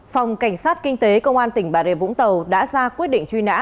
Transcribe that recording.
phòng cảnh sát kinh tế công an tỉnh bà rịa vũng tàu đã ra quyết định truy nã